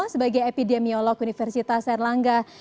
sebagai epidemiolog universitas serlangga